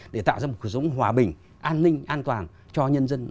để tạo ra một cuộc sống hòa bình an ninh an toàn cho nhân dân